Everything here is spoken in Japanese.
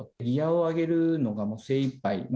ギアを上げるのが精いっぱい。